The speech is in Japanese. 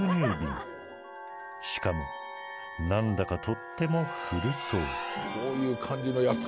しかも何だかとっても古そう。